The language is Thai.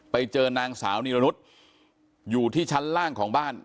ไปเจอนางสาวนีรนุษย์อยู่ที่ชั้นล่างของบ้าน